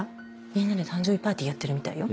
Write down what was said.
みんなで誕生日パーティーやってるみたいよ。